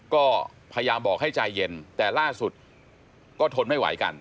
ก็พยายามบอกให้ใจเย็นแต่ล่าสุดก็ทนไม่ไหวกัน